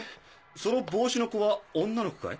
その帽子の子は女の子かい？